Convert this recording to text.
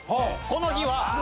この日は。